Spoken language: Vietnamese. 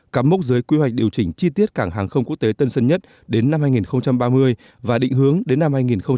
cắm mốc giới quy hoạch điều chỉnh chi tiết cảng hàng không quốc tế tân sơn nhất đến năm hai nghìn ba mươi và định hướng đến năm hai nghìn bốn mươi